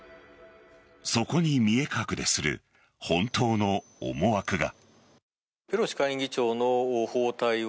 そこに見え隠れする本当の思惑が。